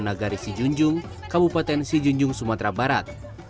nagari sijunjung kabupaten sijunjung sumatera barat